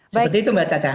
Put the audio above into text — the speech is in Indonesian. seperti itu mbak caca